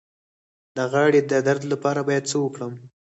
د غاړې د درد لپاره باید څه وکړم؟